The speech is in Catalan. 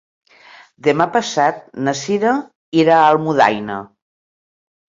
Demà passat na Sira irà a Almudaina.